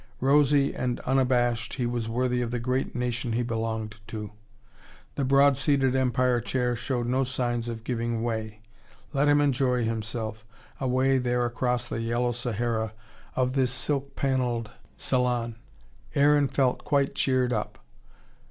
Rosy and unabashed, he was worthy of the great nation he belonged to. The broad seated Empire chair showed no signs of giving way. Let him enjoy himself, away there across the yellow Sahara of this silk panelled salon. Aaron felt quite cheered up.